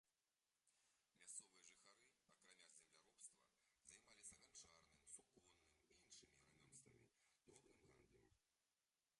Мясцовыя жыхары акрамя земляробства займаліся ганчарным, суконным і іншымі рамёствамі, дробным гандлем.